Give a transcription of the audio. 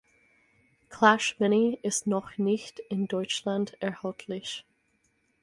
Clash Mini ist noch nicht in Deutschland erhältlich.